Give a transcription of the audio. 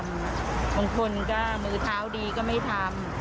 บางคนก็มือเท้าดีก็ไม่ทำ